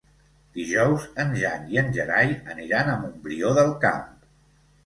Dijous en Jan i en Gerai aniran a Montbrió del Camp.